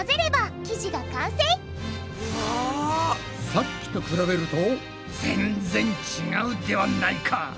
さっきと比べると全然違うではないか！